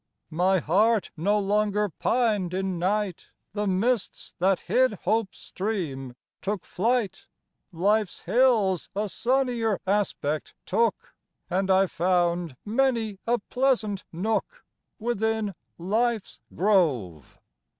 My heart no longer pined in night, The mists that hid hope's stream took flight, Life's hills a sunnier aspect took, And I found many a pleasant nook Within life's grove.